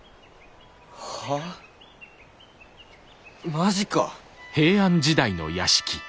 マジか。